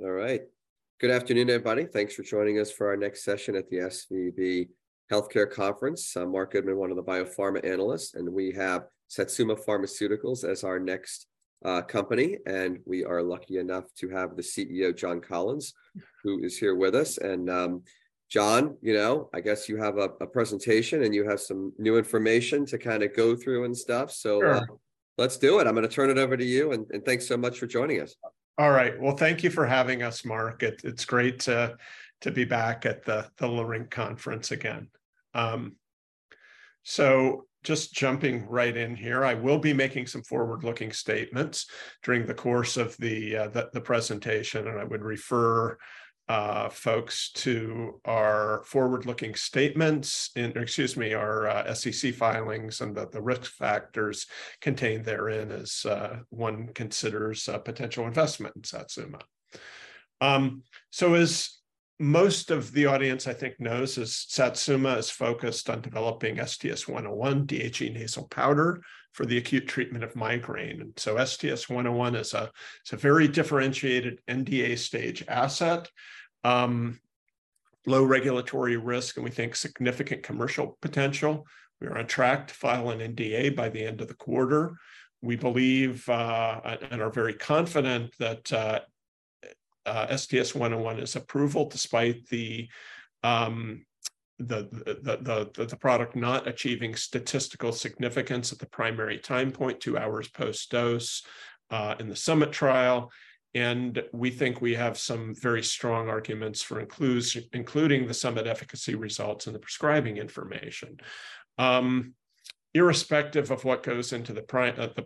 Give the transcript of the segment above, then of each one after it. All right. Good afternoon, everybody. Thanks for joining us for our next session at the SVB Healthcare Conference. I'm Marc Goodman, one of the biopharma analysts, and we have Satsuma Pharmaceuticals as our next company, and we are lucky enough to have the CEO, John Kollins, who is here with us. John, you know, I guess you have a presentation and you have some new information to kinda go through and stuff. Sure. Let's do it. I'm gonna turn it over to you, thanks so much for joining us. All right. Well, thank you for having us, Marc. It's great to be back at the Leerink Conference again. Just jumping right in here, I will be making some forward-looking statements during the course of the presentation. I would refer folks to our forward-looking statements, our SEC filings, and the risk factors contained therein as one considers a potential investment in Satsuma. As most of the audience, I think, knows is Satsuma is focused on developing STS101 DHE nasal powder for the acute treatment of migraine. STS101 is a very differentiated NDA stage asset. Low regulatory risk, we think significant commercial potential. We are on track to file an NDA by the end of the quarter. We believe, and are very confident that STS101 is approval despite the product not achieving statistical significance at the primary time point, two hours post-dose, in the SUMMIT trial. We think we have some very strong arguments for including the SUMMIT efficacy results and the prescribing information. Irrespective of what goes into the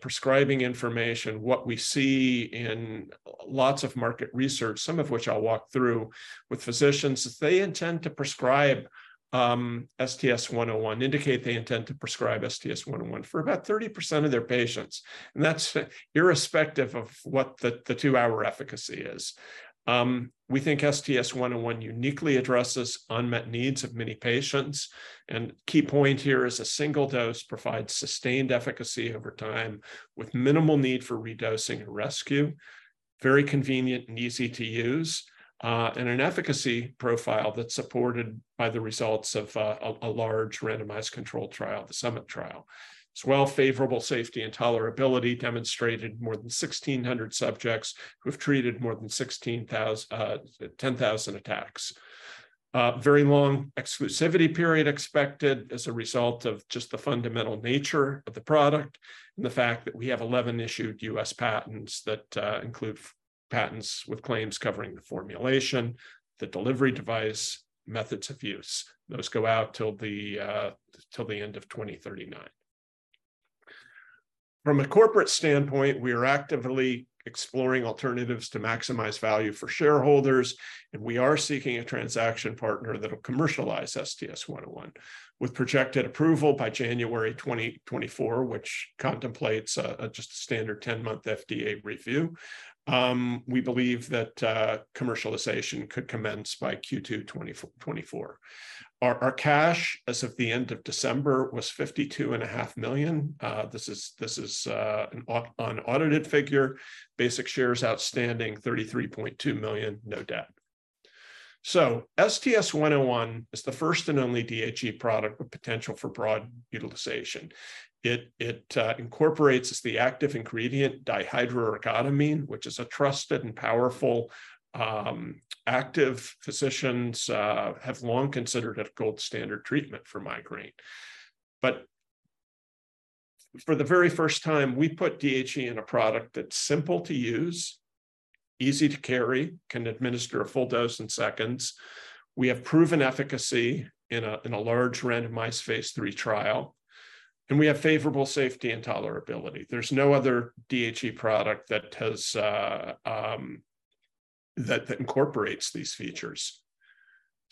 prescribing information, what we see in lots of market research, some of which I'll walk through with physicians, is they intend to prescribe STS101, indicate they intend to prescribe STS101 for about 30% of their patients, and that's irrespective of what the two hour efficacy is. We think STS101 uniquely addresses unmet needs of many patients, and key point here is a single dose provides sustained efficacy over time with minimal need for redosing and rescue, very convenient and easy to use, and an efficacy profile that's supported by the results of a large randomized controlled trial, the SUMMIT trial. As well, favorable safety and tolerability demonstrated more than 1,600 subjects who have treated more than 10,000 attacks. Very long exclusivity period expected as a result of just the fundamental nature of the product and the fact that we have 11 issued US patents that include patents with claims covering the formulation, the delivery device, methods of use. Those go out till the end of 2039. From a corporate standpoint, we are actively exploring alternatives to maximize value for shareholders, and we are seeking a transaction partner that'll commercialize STS101. With projected approval by January 2024, which contemplates a just standard 10-month FDA review, we believe that commercialization could commence by Q2 2024. Our cash as of the end of December was $fifty-two and a half million. This is an unaudited figure. Basic shares outstanding, 33.2 million, no debt. STS101 is the first and only DHE product with potential for broad utilization. It incorporates as the active ingredient dihydroergotamine, which is a trusted and powerful active physicians have long considered a gold standard treatment for migraine. For the very first time, we put DHE in a product that's simple to use, easy to carry, can administer a full dose in seconds. We have proven efficacy in a large randomized phase III trial, and we have favorable safety and tolerability. There's no other DHE product that has that incorporates these features.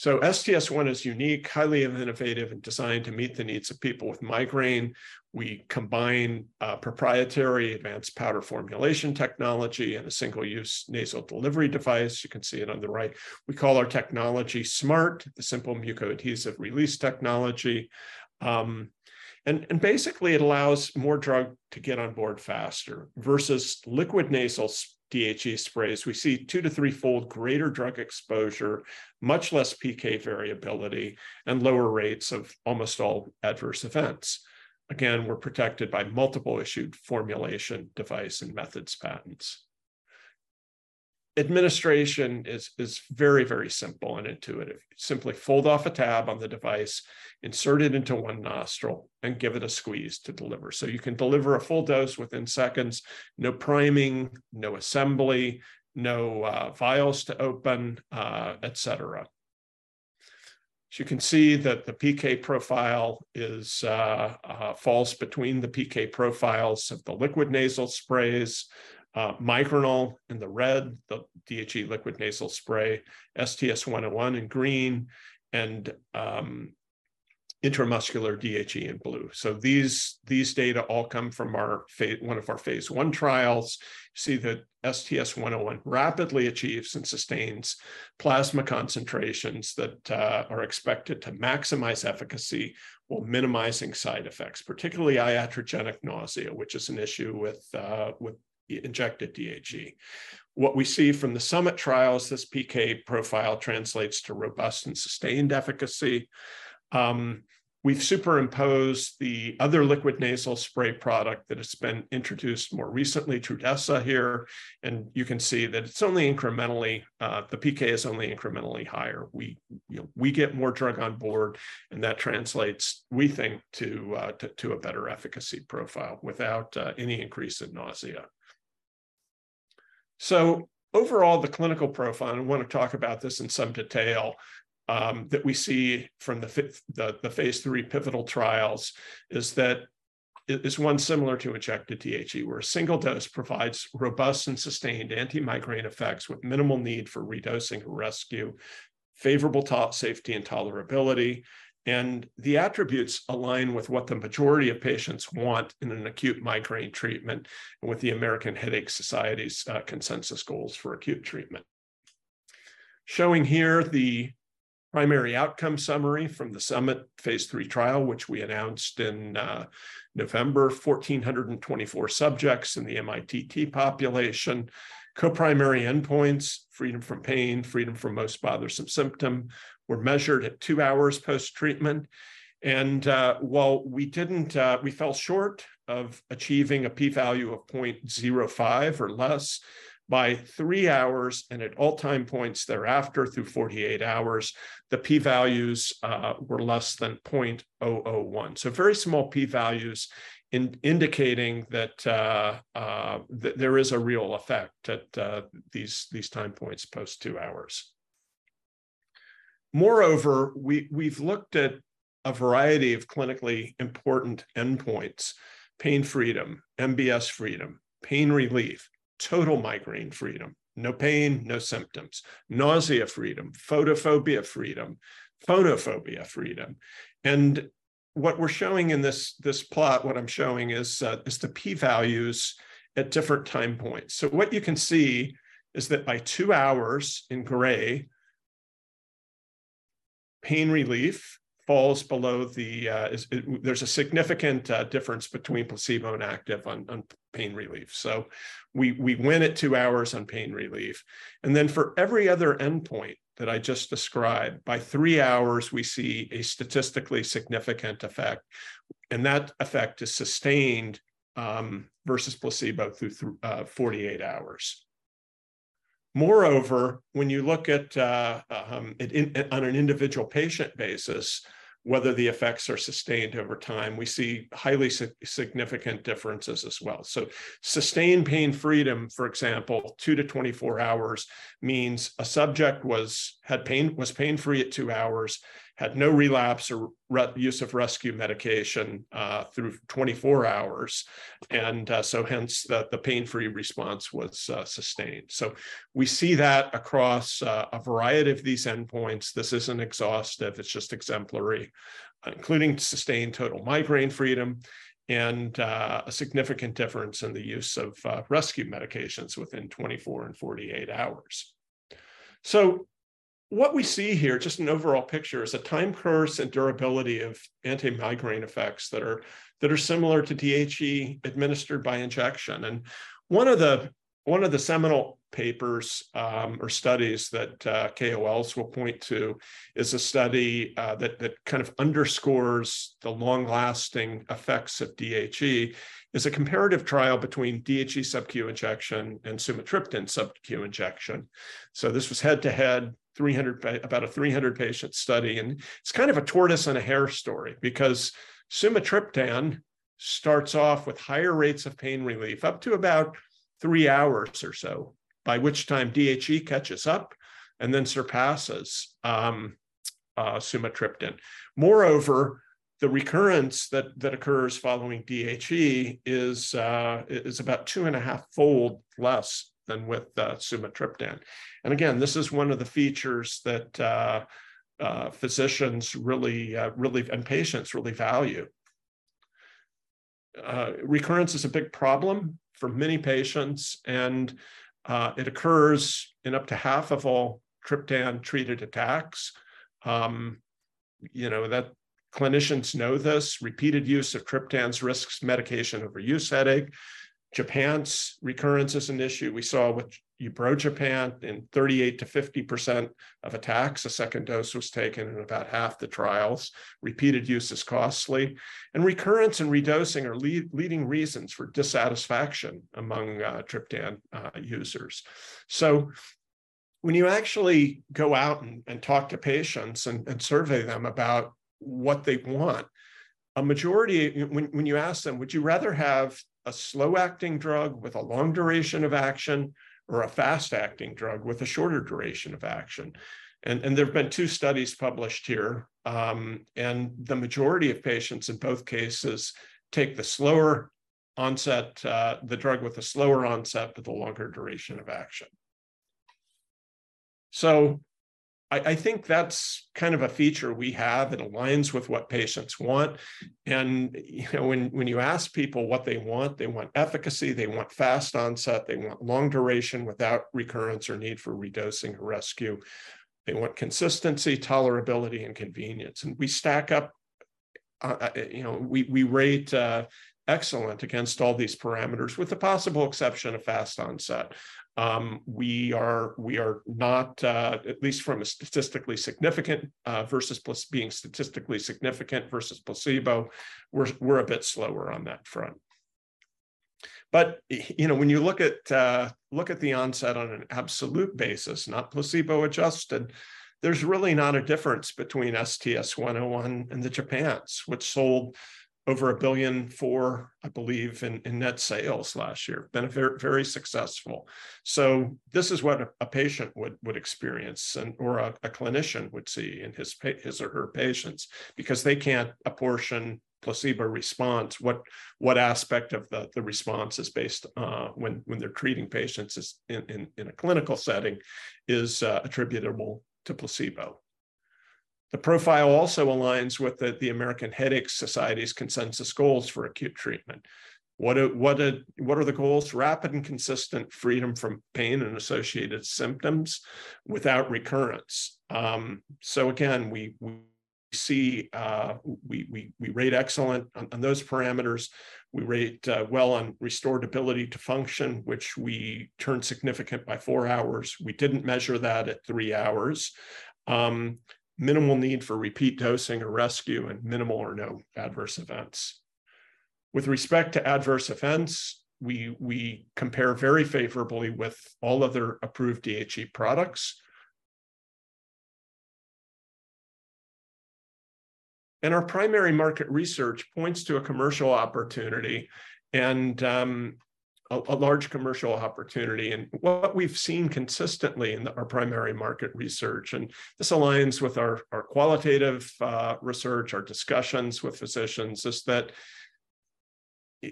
STS101 is unique, highly innovative, and designed to meet the needs of people with migraine. We combine proprietary advanced powder formulation technology in a single-use nasal delivery device. You can see it on the right. We call our technology SMART, the Simple Mucoadhesive Release Technology. Basically it allows more drug to get on board faster. Versus liquid nasal DHE sprays, we see two to three fold greater drug exposure, much less PK variability, and lower rates of almost all adverse events. Again, we're protected by multiple issued formulation device and methods patents. Administration is very, very simple and intuitive. Simply fold off a tab on the device, insert it into one nostril, and give it a squeeze to deliver. You can deliver a full dose within seconds, no priming, no assembly, no vials to open, et cetera. You can see that the PK profile falls between the PK profiles of the liquid nasal sprays, Migranal in the red, the DHE liquid nasal spray, STS101 in green, and Intramuscular DHE in blue. These data all come from our one of our phase I trials. See that STS101 rapidly achieves and sustains plasma concentrations that are expected to maximize efficacy while minimizing side effects, particularly iatrogenic nausea, which is an issue with the injected DHE. What we see from the SUMMIT trials, this PK profile translates to robust and sustained efficacy. We've superimposed the other liquid nasal spray product that has been introduced more recently, Trudhesa here, and you can see that it's only incrementally, the PK is only incrementally higher. We, you know, we get more drug on board, and that translates, we think, to a better efficacy profile without any increase in nausea. Overall, the clinical profile, and I wanna talk about this in some detail, that we see from the phase III pivotal trials is that it is one similar to injected DHE, where a single dose provides robust and sustained anti-migraine effects with minimal need for redosing or rescue, favorable to safety and tolerability. The attributes align with what the majority of patients want in an acute migraine treatment and with the American Headache Society's consensus goals for acute treatment. Showing here the primary outcome summary from the SUMMIT phase III trial, which we announced in November 1,424 subjects in the MITT population. Co-primary endpoints, freedom from pain, freedom from most bothersome symptom, were measured at two hours post-treatment. While we didn't, we fell short of achieving a p-value of 0.05 or less by three hours and at all time points thereafter through 48-hours, the p-values were less than 0.001. Very small p-values indicating that there is a real effect at these time points post two hours. Moreover, we've looked at a variety of clinically important endpoints. Pain freedom, MBS freedom, pain relief, total migraine freedom, no pain, no symptoms, nausea freedom, photophobia freedom, photophobia freedom. What we're showing in this plot, what I'm showing is the p-values at different time points. What you can see is that by two hours in gray, pain relief falls below the. There's a significant difference between placebo and active on pain relief. We win at two hours on pain relief. Then for every other endpoint that I just described, by three hours, we see a statistically significant effect, and that effect is sustained versus placebo through 48-hours. Moreover, when you look at on an individual patient basis, whether the effects are sustained over time, we see highly significant differences as well. Sustained pain freedom, for example, two to 24-hours, means a subject was pain free at two hours, had no relapse or use of rescue medication through 24-hours, and hence the pain free response was sustained. We see that across a variety of these endpoints. This isn't exhaustive, it's just exemplary, including sustained total migraine freedom and a significant difference in the use of rescue medications within 24 and 48-hours. What we see here, just an overall picture, is a time course and durability of anti-migraine effects that are similar to DHE administered by injection. One of the seminal papers or studies that KOLs will point to is a study that kind of underscores the long-lasting effects of DHE, is a comparative trial between DHE subQ injection and sumatriptan subQ injection. This was head to head, about a 300 patient study. It's kind of a tortoise and a hare story because sumatriptan starts off with higher rates of pain relief up to about three hours or so, by which time DHE catches up and then surpasses sumatriptan. Moreover, the recurrence that occurs following DHE is about two and a half fold less than with sumatriptan. Again, this is one of the features that physicians really, and patients really value. Recurrence is a big problem for many patients, and it occurs in up to half of all triptan treated attacks. You know, that clinicians know this. Repeated use of triptans risks medication overuse headache. Japan's recurrence is an issue we saw with Ubrelvy in 38%-50% of attacks. A second dose was taken in about half the trials. Repeated use is costly. Recurrence and redosing are leading reasons for dissatisfaction among triptan users. When you actually go out and talk to patients and survey them about what they want, a majority... When you ask them, "Would you rather have a slow acting drug with a long duration of action or a fast acting drug with a shorter duration of action?" There have been two studies published here, and the majority of patients in both cases take the slower onset, the drug with a slower onset but the longer duration of action. I think that's kind of a feature we have that aligns with what patients want. You know, when you ask people what they want, they want efficacy, they want fast onset, they want long duration without recurrence or need for redosing or rescue. They want consistency, tolerability, and convenience. We stack up, you know, we rate excellent against all these parameters with the possible exception of fast onset. We are not, at least from a statistically significant, being statistically significant versus placebo, we're a bit slower on that front. You know, when you look at the onset on an absolute basis, not placebo-adjusted, there's really not a difference between STS101 and the triptans, which sold over $1 billion for, I believe, in net sales last year. Been a very, very successful. This is what a patient would experience or a clinician would see in his or her patients because they can't apportion placebo response. What aspect of the response is based on when they're treating patients in a clinical setting is attributable to placebo. The profile also aligns with the American Headache Society's consensus goals for acute treatment. What are the goals? Rapid and consistent freedom from pain and associated symptoms without recurrence. Again, we see we rate excellent on those parameters. We rate well on restored ability to function, which we turn significant by four hours. We didn't measure that at three hours. Minimal need for repeat dosing or rescue, and minimal or no adverse events. With respect to adverse events, we compare very favorably with all other approved DHE products. Our primary market research points to a commercial opportunity and a large commercial opportunity. What we've seen consistently in our primary market research, and this aligns with our qualitative research, our discussions with physicians, is that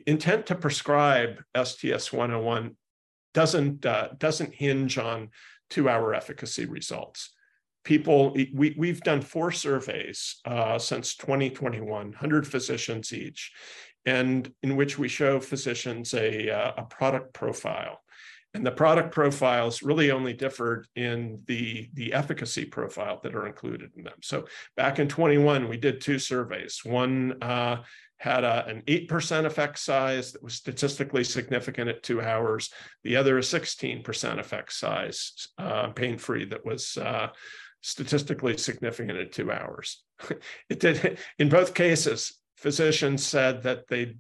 intent to prescribe STS101 doesn't hinge on two hour efficacy results. We've done four surveys since 2021, 100 physicians each, and in which we show physicians a product profile. The product profiles really only differed in the efficacy profile that are included in them. Back in 2021, we did two surveys. One had an 8% effect size that was statistically significant at 2 hours. The other, a 16% effect size, pain-free that was statistically significant at two hours. In both cases, physicians said that they'd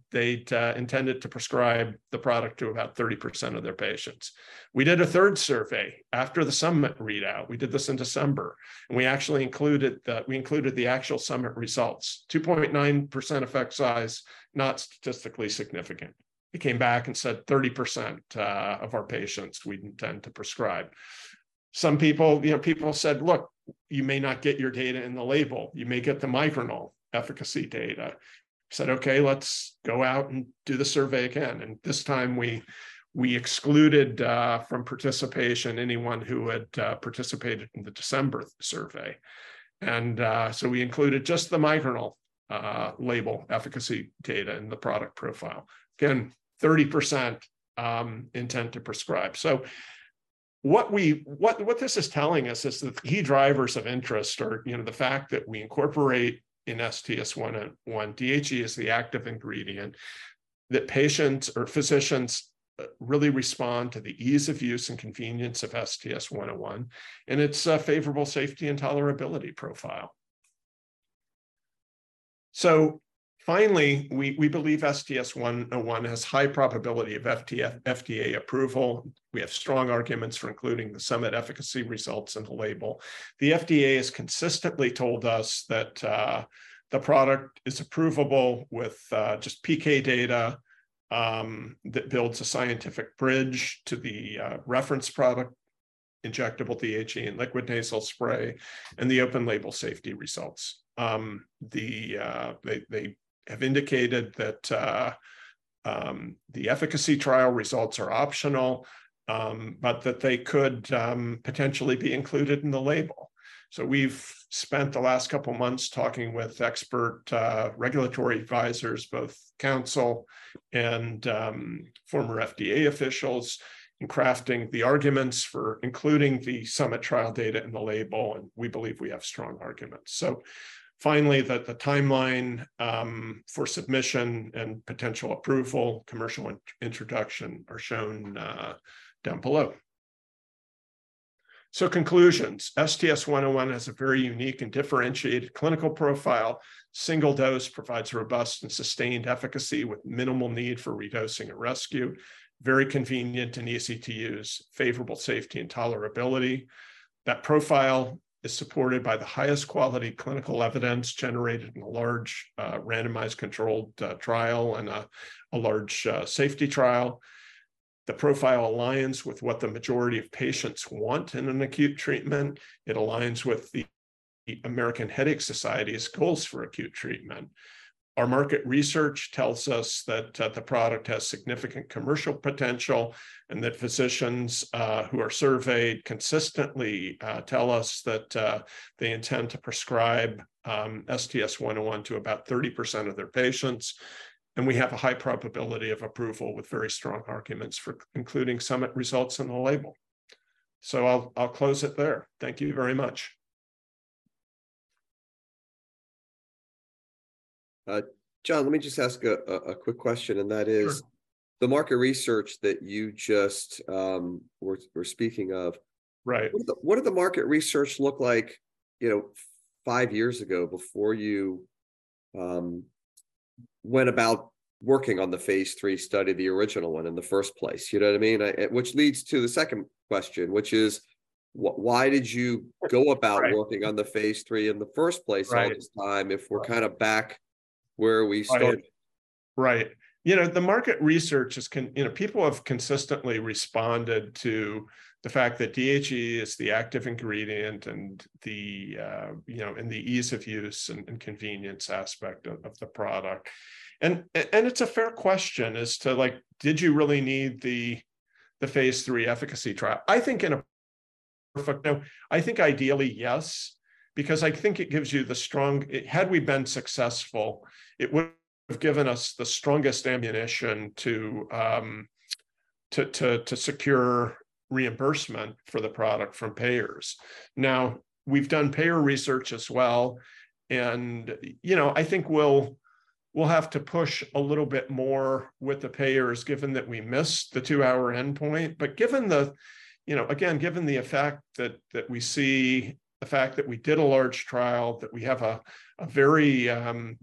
intended to prescribe the product to about 30% of their patients. We did a third survey after the SUMMIT readout. We did this in December, and we actually included the actual SUMMIT results. 2.9% effect size, not statistically significant. They came back and said 30% of our patients we'd intend to prescribe. Some people, you know, people said, "Look, you may not get your data in the label. You may get the Migranal efficacy data." I said, "Okay, let's go out and do the survey again." This time we excluded from participation anyone who had participated in the December survey. So we included just the Migranal label efficacy data in the product profile. Again, 30% intent to prescribe. What this is telling us is that the key drivers of interest are, you know, the fact that we incorporate in STS101, DHE is the active ingredient, that patients or physicians really respond to the ease of use and convenience of STS101, and its favorable safety and tolerability profile. Finally, we believe STS101 has high probability of FDA approval. We have strong arguments for including the SUMMIT efficacy results in the label. The FDA has consistently told us that the product is approvable with just PK data that builds a scientific bridge to the reference product, injectable DHE and liquid nasal spray, and the open label safety results. They have indicated that the efficacy trial results are optional, but that they could potentially be included in the label. We've spent the last couple months talking with expert regulatory advisors, both council and former FDA officials, in crafting the arguments for including the SUMMIT trial data in the label, and we believe we have strong arguments. Finally, the timeline for submission and potential approval, commercial introduction are shown down below. Conclusions. STS101 has a very unique and differentiated clinical profile. Single dose provides robust and sustained efficacy with minimal need for redosing at rescue. Very convenient and easy to use. Favorable safety and tolerability. That profile is supported by the highest quality clinical evidence generated in a large randomized controlled trial and a large safety trial. The profile aligns with what the majority of patients want in an acute treatment. It aligns with the American Headache Society's goals for acute treatment. Our market research tells us that the product has significant commercial potential, and that physicians who are surveyed consistently tell us that they intend to prescribe STS101 to about 30% of their patients. We have a high probability of approval with very strong arguments for including SUMMIT results in the label. I'll close it there. Thank you very much. John, let me just ask a quick question. Sure. The market research that you just were speaking of. Right. What did the, what did the market research look like, you know, five years ago, before you went about working on the phase III study, the original one, in the first place? You know what I mean? I. Which leads to the second question, which is why did you go about-. Right. Working on the phase III in the first place. Right all this time if we're kind of back where we started? Right. Right. You know, the market research is You know, people have consistently responded to the fact that DHE is the active ingredient, and the, you know, and the ease of use and convenience aspect of the product. It's a fair question as to, like, did you really need the phase III efficacy trial? I think in a perfect world, I think ideally, yes, because I think it gives you the Had we been successful, it would have given us the strongest ammunition to secure reimbursement for the product from payers. Now, we've done payer research as well, and, you know, I think we'll have to push a little bit more with the payers, given that we missed the two hour endpoint. Given the, you know, again, given the effect that we see, the fact that we did a large trial, that we have a very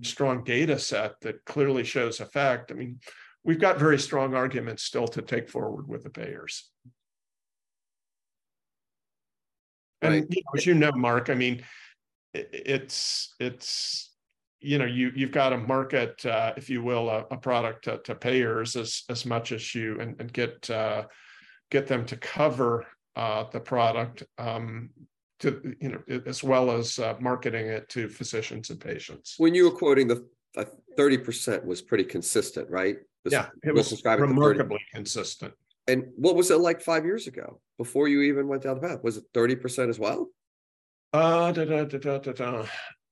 strong data set that clearly shows effect, I mean, we've got very strong arguments still to take forward with the payers. Right. You know, as you know, Marc, I mean, it's. You know, you've got to market, if you will, a product to payers as much as you, and get them to cover the product, to, you know, as well as marketing it to physicians and patients. When you were quoting the 30% was pretty consistent, right? Yeah. People describing the 30%-. Remarkably consistent. What was it like five years ago, before you even went down the path? Was it 30% as well?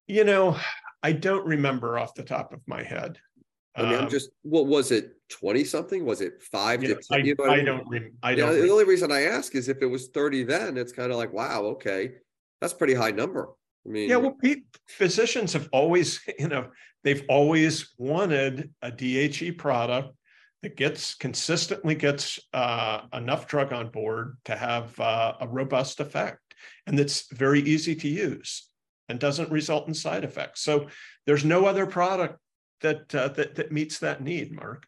You know, I don't remember off the top of my head. I mean, I'm just. Well, was it 20-something? Was it five to 10? Yeah. I don't. Do you have any-. I don't. You know, the only reason I ask is if it was 30 then, it's kind of like, wow, okay. That's a pretty high number. I mean-. Yeah. Well, physicians have always, you know, they've always wanted a DHE product that consistently gets enough drug on board to have a robust effect, and that's very easy to use, and doesn't result in side effects. There's no other product that meets that need, Marc.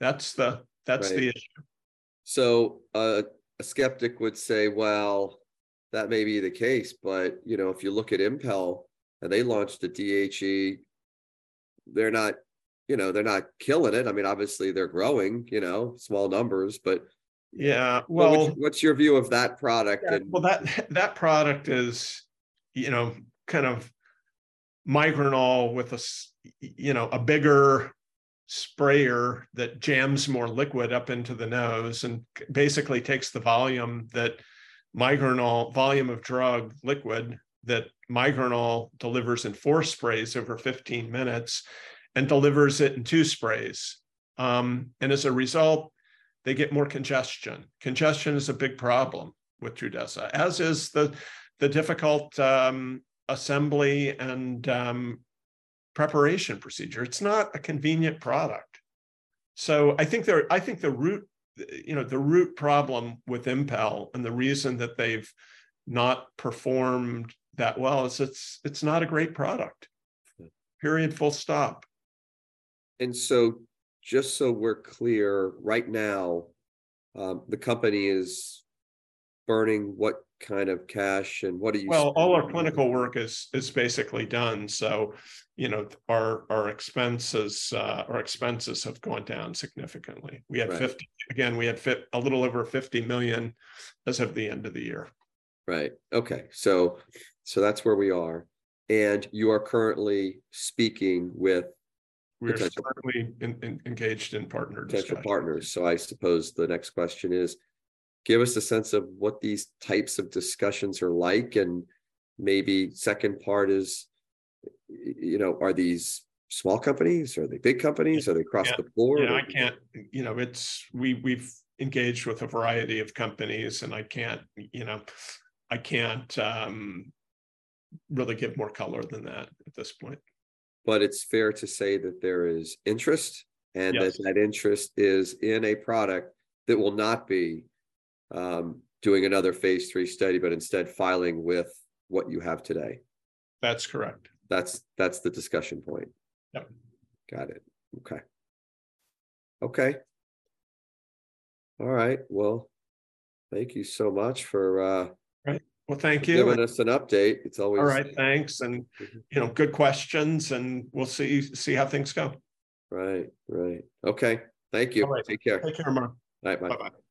Right. That's the issue. A skeptic would say, "Well, that may be the case, but, you know, if you look at Impel, and they launched a DHE, they're not, you know, they're not killing it. I mean, obviously they're growing, you know, small numbers, but. Yeah. What's your view of that product? Yeah. Well, that product is, you know, kind of Migranal with a you know, a bigger sprayer that jams more liquid up into the nose, basically takes the volume of drug liquid that Migranal delivers in four sprays over 15-minutes, and delivers it in two sprays. As a result, they get more congestion. Congestion is a big problem with Trudhesa, as is the difficult assembly and preparation procedure. It's not a convenient product. I think the root, you know, the root problem with Impel and the reason that they've not performed that well is it's not a great product. Yeah. Period, full stop. Just so we're clear, right now, the company is burning what kind of cash, and what are you seeing going forward? Well, all our clinical work is basically done, you know, our expenses have gone down significantly. Right. We had a little over $50 million as of the end of the year. Right. Okay. That's where we are. You are currently speaking with. We are certainly engaged in partner discussions. Potential partners. I suppose the next question is give us a sense of what these types of discussions are like, and maybe second part is, you know, are these small companies? Are they big companies? Yeah. Across the board, or do you-. We've engaged with a variety of companies, and I can't, you know, really give more color than that at this point. It's fair to say that there is interest? Yes. That that interest is in a product that will not be, doing another phase III study, but instead filing with what you have today? That's correct. That's the discussion point? Yep. Got it. Okay. Okay. All right. Well, thank you so much for. Great. Well, thank you. Giving us an update. It's always- All right, thanks. Mm-hmm. You know, good questions, and we'll see how things go. Right. Right. Okay. Thank you. All right. Take care. Take care, Marc. Bye. Bye. Bye-bye.